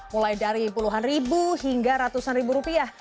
mulai dari puluhan ribu hingga ratusan ribu rupiah